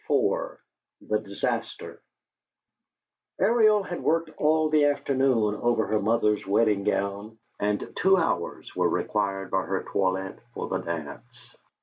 IV THE DISASTER Ariel had worked all the afternoon over her mother's wedding gown, and two hours were required by her toilet for the dance.